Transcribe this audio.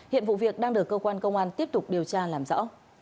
hiện vụ việc đang được cơ quan công an tiếp tục điều tra làm rõ